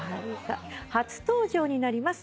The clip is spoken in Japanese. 初登場になります